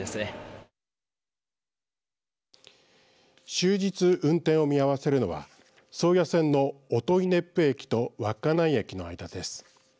終日運転を見合わせるのは宗谷線の音威子府駅と稚内駅の間です。